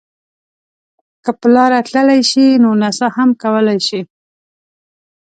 که په لاره تللی شئ نو نڅا هم کولای شئ.